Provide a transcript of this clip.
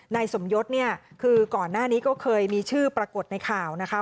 นายสมยศเนี่ยคือก่อนหน้านี้ก็เคยมีชื่อปรากฏในข่าวนะคะ